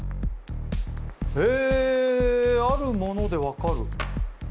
えあるもので分かる。